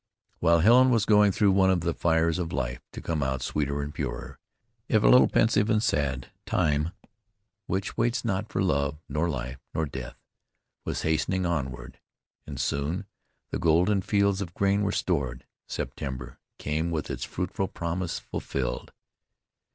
While Helen was going through one of the fires of life to come out sweeter and purer, if a little pensive and sad, time, which waits not for love, nor life, nor death, was hastening onward, and soon the golden fields of grain were stored. September came with its fruitful promise fulfilled.